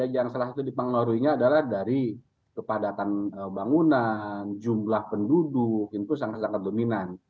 yang salah satu dipengaruhinya adalah dari kepadatan bangunan jumlah penduduk itu sangat sangat dominan